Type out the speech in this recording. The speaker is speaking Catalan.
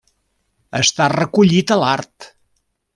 Està recollit a l'art.